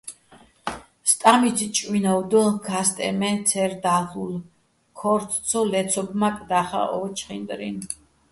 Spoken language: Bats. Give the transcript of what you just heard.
სტამიჩ ჭუ́ინოვ დო, ქასტეჼ მე ცე́რ დალ'ულო̆, ქო́რთო̆ ცო ლე́ცობმაკ და́ხაჸ ო ჩხინდრინ.